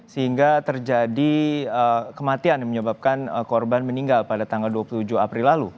sehingga terjadi kematian yang menyebabkan korban meninggal pada tanggal dua puluh tujuh april lalu